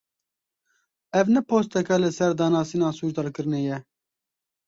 Ev ne posteke li ser danasîna sûcdarkirinê ye.